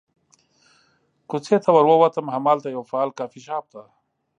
کوڅې ته ور ووتم، همالته یوه فعال کافي شاپ ته.